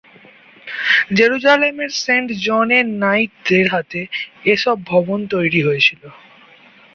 জেরুজালেমের সেন্ট জনের নাইটদের হাতে এসব ভবন তৈরি হয়েছিলো।